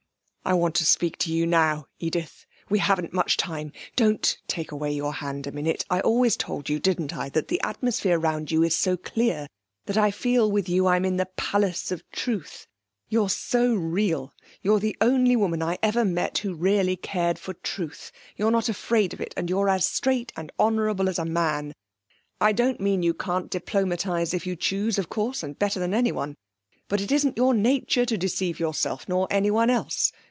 'I want to speak to you now, Edith. We haven't much time. Don't take away your hand a minute....I always told you, didn't I, that the atmosphere round you is so clear that I feel with you I'm in the Palace of Truth? You're so real. You're the only woman I ever met who really cared for truth. You're not afraid of it; and you're as straight and honourable as a man! I don't mean you can't diplomatise if you choose, of course, and better than anyone; but it isn't your nature to deceive yourself, nor anyone else.